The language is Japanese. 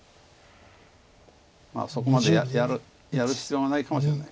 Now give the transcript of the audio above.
そこまでやる必要がないかもしれない。